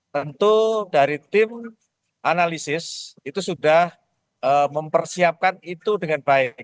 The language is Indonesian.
tentu dari tim analisis itu sudah mempersiapkan itu dengan baik